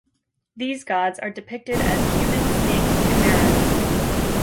These gods are depicted as human-snake chimeras.